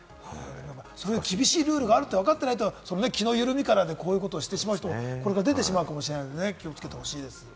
そういう厳しいルールがあるとわかってないと気の緩みからこういうことをしてしまう人もこれから出てしまうかもしれないので気をつけてほしいです。